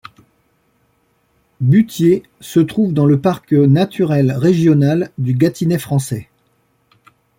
Buthiers se trouve dans le parc naturel régional du Gâtinais français.